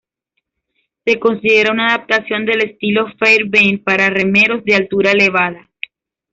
Se considera una adaptación del estilo Fairbairn para remeros de altura elevada.